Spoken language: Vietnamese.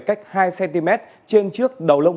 cách hai cm trên trước đầu lông